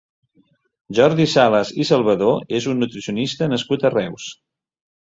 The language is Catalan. Jordi Salas i Salvadó és un nutricionista nascut a Reus.